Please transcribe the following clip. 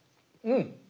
うん！